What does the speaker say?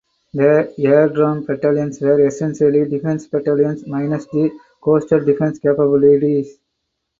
The Airdrome battalions were essentially defense battalions minus the coastal defense capabilities.